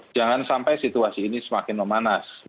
jangan sampai situasi ini semakin memanas